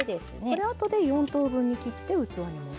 これ後で４等分に切って器に盛る？